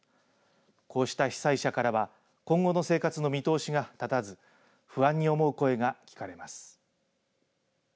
こうした被災者からは今後の生活の見通しが立たず不安に思う声が聞かれます。